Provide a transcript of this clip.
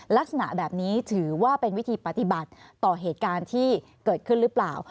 ลักษณะแบบนี้ถือว่าเป็นวิธีปฏิบัติต่อเหตุการณ์ที่เกิดขึ้นหรือเปล่า